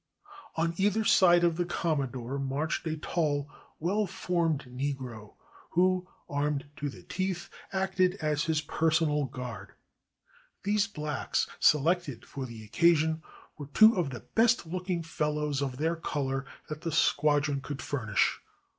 On either side of the Commodore marched a tall, well formed Negro, who, armed to the teeth, acted as his personal guard. These blacks, selected for the occasion, were two of the best looking fellows of their color that the squadron could furnish.